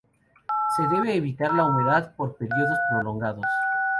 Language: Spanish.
Se debe evitar la humedad por periodos prolongados.